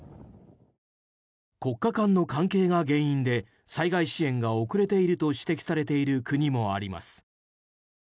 国家間の関係が原因で災害支援が遅れていると指摘されている国もあります。